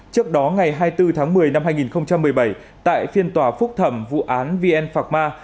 trước đó ngày hai mươi bốn tháng một mươi năm hai nghìn một mươi bảy tại phiên tòa phúc thẩm vụ án vn phạc ma